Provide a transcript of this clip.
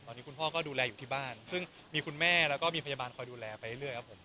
ตอนนี้คุณพ่อก็ดูแลอยู่ที่บ้านซึ่งมีคุณแม่แล้วก็มีพยาบาลคอยดูแลไปเรื่อยครับผม